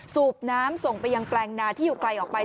สูบน้ำส่งไปยังแปลงนาที่อยู่ไกลออกไป